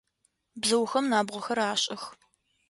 Бзыухэм набгъохэр ашӏых.